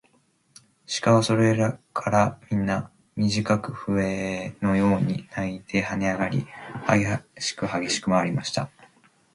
鹿はそれからみんな、みじかく笛のように鳴いてはねあがり、はげしくはげしくまわりました。